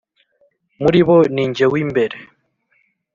muri bo ni jye w’imbere.